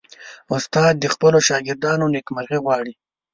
استاد د خپلو شاګردانو نیکمرغي غواړي.